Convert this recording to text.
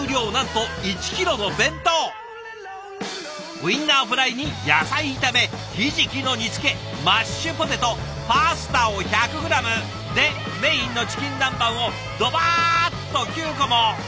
ウインナーフライに野菜炒めひじきの煮つけマッシュポテトパスタを１００グラムでメインのチキン南蛮をドバーッと９個も。